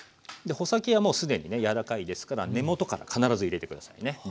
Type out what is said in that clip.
穂先はもうすでに柔らかいですから根元から必ず入れてくださいね。